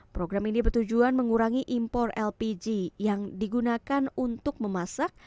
program ini bertujuan mengurangi impor lpg yang digunakan untuk memasak